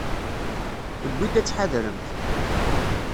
Tewwi-d ad tḥadremt.